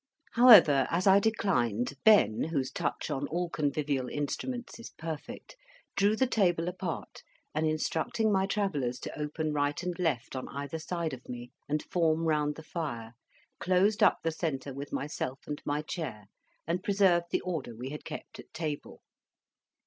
However, as I declined, Ben, whose touch on all convivial instruments is perfect, drew the table apart, and instructing my Travellers to open right and left on either side of me, and form round the fire, closed up the centre with myself and my chair, and preserved the order we had kept at table.